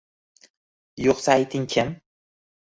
Yo’qsa ayting, kim?